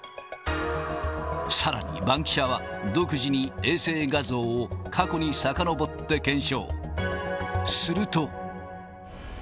さらにバンキシャは、独自に衛星画像を過去にさかのぼって検証。